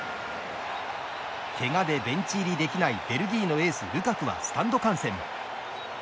けがでベンチ入りできないベルギーのエース、ルカクはスタンド観戦。